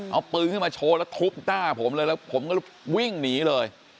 เอาปืนขึ้นมาโชว์แล้วทุบหน้าผมเลยแล้วผมก็วิ่งหนีเลย